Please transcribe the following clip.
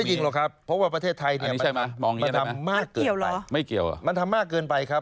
ไม่จริงหรอกครับเพราะว่าประเทศไทยมันทำมากเกินไปมันทำมากเกินไปครับ